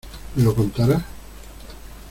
¿Me lo contarás?